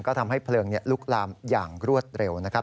ก็ทำให้เพลิงลุกลามอย่างรวดเร็วนะครับ